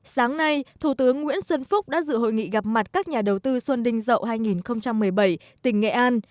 sáng nay thủ tướng nguyễn xuân phúc đã dự hội nghị gặp mặt các nhà đầu tư xuân đinh dậu hai nghìn một mươi bảy tỉnh nghệ an